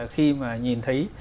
khi mà nhìn thấy